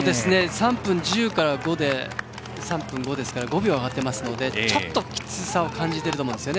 ３分１０から５で３分５ですから５秒上がっているのでちょっときつさを感じていると思うんですよね